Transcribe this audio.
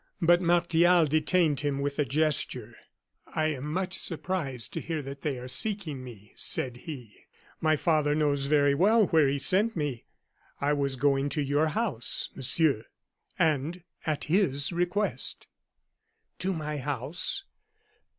But Martial detained him with a gesture. "I am much surprised to hear that they are seeking me," said he. "My father knows very well where he sent me; I was going to your house, Monsieur, and at his request." "To my house?"